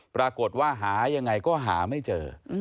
ปรากฏว่าหายังไงก็หาไม่เจอ